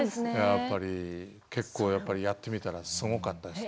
結構やっぱりやってみたらすごかったですね。